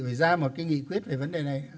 phải ra một cái nghị quyết về vấn đề này